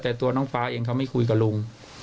แต่ตัวน้องฟ้าเองเขาไม่คุยกับลุง